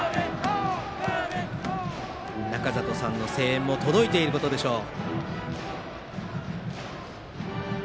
仲里さんの声援も届いていることでしょう。